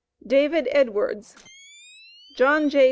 DAVID EDWARDS. John J.